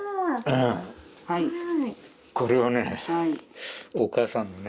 これをねお母さんにね。